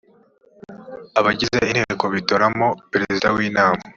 abagize inteko bitoramo perezida w’inama